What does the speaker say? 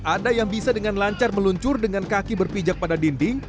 ada yang bisa dengan lancar meluncur dengan kaki berpijak pada dinding